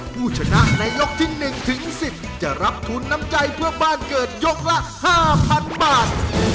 ผู้ชนะในยกที่๑ถึง๑๐จะรับทุนน้ำใจเพื่อบ้านเกิดยกละ๕๐๐๐บาท